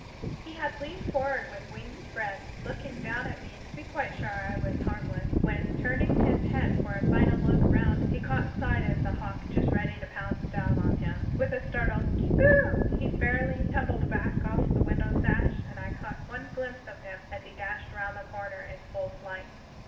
He had leaned forward with wings spread, looking down at me to be quite sure I was harmless, when, turning his head for a final look round, he caught sight of the hawk just ready to pounce down on him. With a startled kee uk he fairly tumbled back off the window sash, and I caught one glimpse of him as he dashed round the corner in full flight.